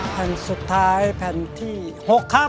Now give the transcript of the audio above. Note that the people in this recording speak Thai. แผ่นสุดท้ายแผ่นที่๖ครับ